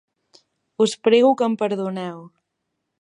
Us prego que em perdoneu.